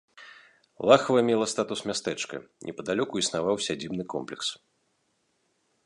Лахва мела статус мястэчка, непадалёку існаваў сядзібны комплекс.